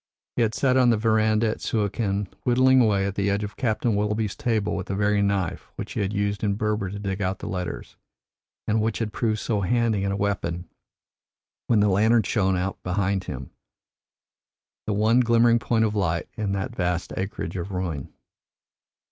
He had sat on the verandah at Suakin, whittling away at the edge of Captain Willoughby's table with the very knife which he had used in Berber to dig out the letters, and which had proved so handy a weapon when the lantern shone out behind him the one glimmering point of light in that vast acreage of ruin.